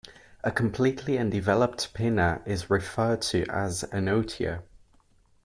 A completely undeveloped pinna is referred to as anotia.